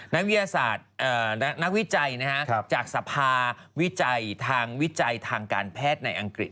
นักวิจัยจากสภาวิจัยทางวิจัยทางการแพทย์ในอังกฤษ